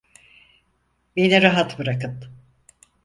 Beni rahat bırakın!